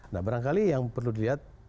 nah barangkali yang perlu dilihat